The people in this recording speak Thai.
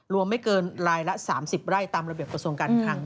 รวมไม่เกินรายละ๓๐ไร่ตามระเบียบประสงค์การอีกครั้ง